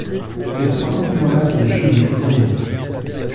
C’est à trois cents kilomètres de Chennai environ.